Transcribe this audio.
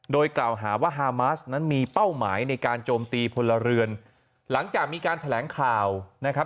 โดยกล่าวหาว่าฮามาสนั้นมีเป้าหมายในการโจมตีพลเรือนหลังจากมีการแถลงข่าวนะครับ